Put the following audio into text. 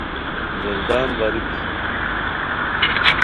گردان باریکی